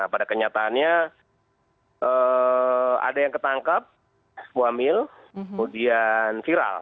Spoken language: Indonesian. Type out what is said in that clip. pada kenyataannya ada yang ketangkap muamil kemudian viral